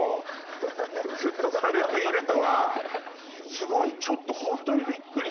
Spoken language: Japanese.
すごいちょっと。